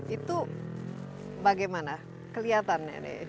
itu bagaimana kelihatannya